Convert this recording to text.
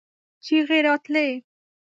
چيغې راتلې.